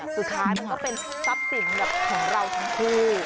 สุดท้ายมันก็เป็นทรัพย์สินของเราทั้งคู่